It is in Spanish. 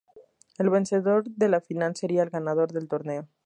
El vencedor de la final sería el ganador del torneo.